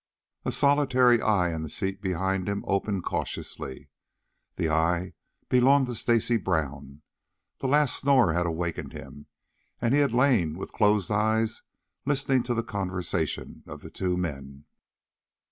A solitary eye in the seat behind, opened cautiously. The eye belonged to Stacy Brown. The last snore had awakened him, and he had lain with closed eyes listening to the conversation of the two men.